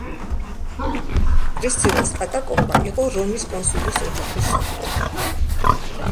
პრისცილას კატაკომბა იყო რომის კონსულის ოჯახის საკუთრება.